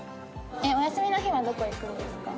お休みの日はどこ行くんですか？